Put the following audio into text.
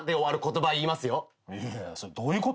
それどういうこと？